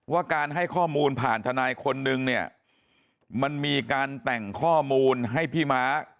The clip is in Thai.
ว่าการให้ข้อมูลผ่านทนายคนนึงเนี่ยมันมีการแต่งข้อมูลให้พี่ม้า